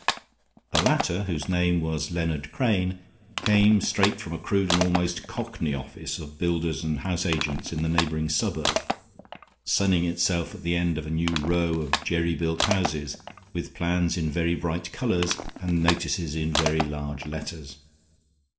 The latter, whose name was Leonard Crane, came straight from a crude and almost cockney office of builders and house agents in the neighboring suburb, sunning itself at the end of a new row of jerry built houses with plans in very bright colors and notices in very large letters.